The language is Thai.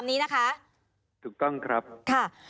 มีความรู้สึกว่ามีความรู้สึกว่า